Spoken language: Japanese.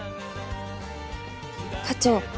課長。